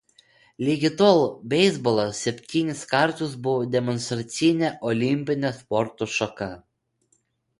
Lygi tol beisbolas septynis kartus buvo demonstracinė olimpinė sporto šaka.